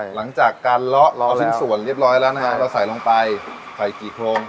หลังจากการเลาะเอาชิ้นส่วนเรียบร้อยแล้วนะฮะเราใส่ลงไปใส่กี่โครง